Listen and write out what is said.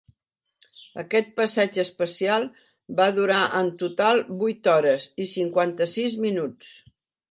Aquest passeig espacial va durar en total vuit hores i cinquanta-sis minuts.